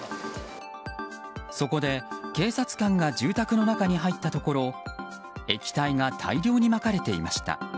そこで警察官が住宅の中に入ったところ液体が大量にまかれていました。